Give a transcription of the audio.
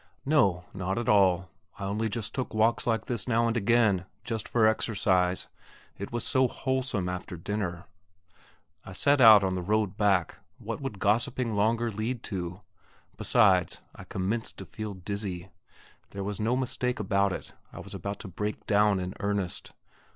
No, not at all; I only just took walks like this now and again, just for exercise; it was so wholesome after dinner.... I set out on the road back what would gossiping longer lead to? Besides, I commenced to feel dizzy. There was no mistake about it; I was about to break down in earnest.